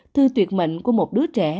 thư tuyệt mệnh của một đứa trẻ